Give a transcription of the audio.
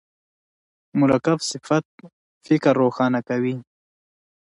مرکب صفت فکر روښانه کوي.